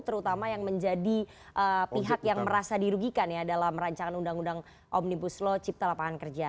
terutama yang menjadi pihak yang merasa dirugikan ya dalam rancangan undang undang omnibus law cipta lapangan kerja